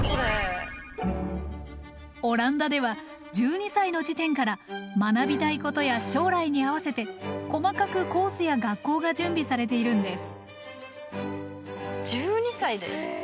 オランダでは１２歳の時点から学びたいことや将来に合わせて細かくコースや学校が準備されているんです。